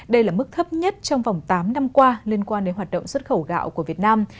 đây là mức thấp nhất trong vòng tám năm qua liên quan đến hoạt động xuất khẩu gạo của việt nam